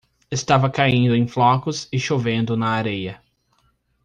Estava caindo em flocos e chovendo na areia.